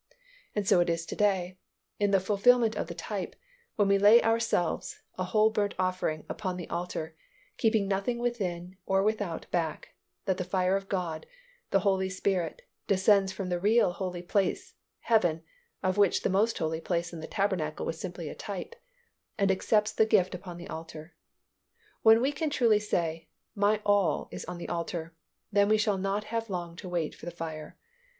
And so it is to day, in the fulfillment of the type, when we lay ourselves, a whole burnt offering, upon the altar, keeping nothing within or without back, that the fire of God, the Holy Spirit, descends from the real Holy Place, heaven (of which the Most Holy Place in the tabernacle was simply a type), and accepts the gift upon the altar. When we can truly say, "My all is on the altar," then we shall not have long to wait for the fire.